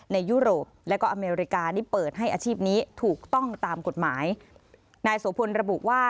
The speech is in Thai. ยุโรปแล้วก็อเมริกานี่เปิดให้อาชีพนี้ถูกต้องตามกฎหมายนายโสพลระบุว่า